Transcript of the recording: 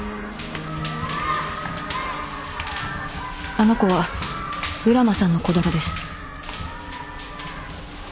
・あの子は浦真さんの子供です。